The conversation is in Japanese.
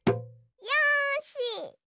よし！